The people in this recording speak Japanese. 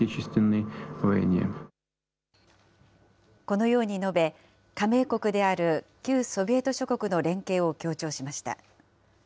このように述べ、加盟国である旧ソビエト諸国の連携を強調しました。